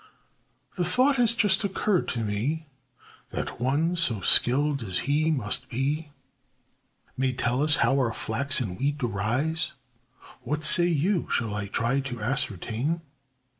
The thought has just occurred to me That one so skilled as he must be May tell us how our flax and wheat arise. What say you? Shall I try to ascertain?